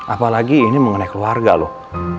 apalagi ini mengenai keluarga loh